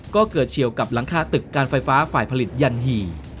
ก็เกิดเฉียวกับหลังคาตึกการไฟฟ้าฝ่ายผลิตยันหี่